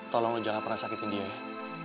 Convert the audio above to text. tolong jangan pernah sakitin dia ya